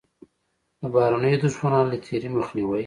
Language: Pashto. د بهرنیو دښمنانو له تېري مخنیوی.